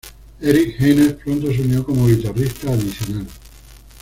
Eric Haines pronto se unió como guitarrista adicional.